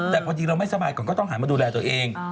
แต่พอดีเราไม่สบายก่อนก็ต้องหันมาดูแลตัวเอง